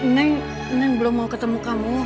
neng neng belum mau ketemu kamu